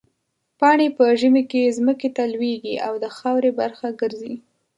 پاڼې په ژمي کې ځمکې ته لوېږي او د خاورې برخه ګرځي.